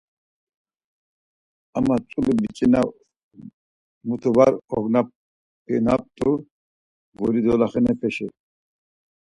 Ama tzulu biç̌ina muti var ognapinamt̆u guri doloxenepeşi.